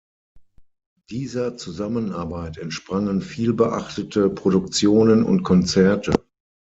Dieser Zusammenarbeit entsprangen vielbeachtete Produktionen und Konzerte.